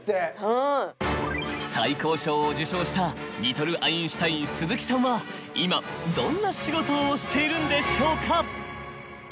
最高賞を受賞したリトル・アインシュタイン鈴木さんは今どんな仕事をしているんでしょうか？